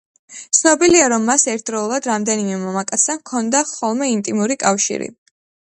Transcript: ცნობილია, რომ მას ერთდროულად რამდენიმე მამაკაცთან ჰქონდა ხოლმე ინტიმური კავშირი.